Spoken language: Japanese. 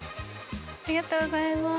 ありがとうございます。